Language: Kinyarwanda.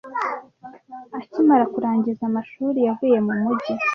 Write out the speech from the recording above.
Akimara kurangiza amashuri, yavuye mu mujyi.